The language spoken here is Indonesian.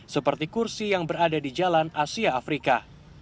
seperti kursi yang berada di jalan asia afrika